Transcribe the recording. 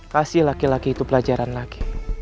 kasih laki laki itu pelajaran lagi